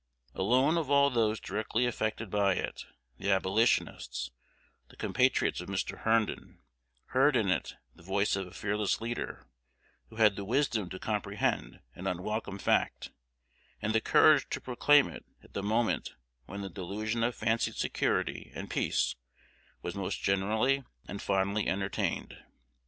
Alone of all those directly affected by it, the Abolitionists, the compatriots of Mr. Herndon, heard in it the voice of a fearless leader, who had the wisdom to comprehend an unwelcome fact, and the courage to proclaim it at the moment when the delusion of fancied security and peace was most generally and fondly entertained.